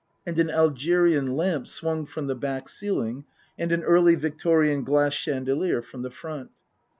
And an Algerian lamp swung from the back ceiling, and an Early Victorian glass chandelier from the front.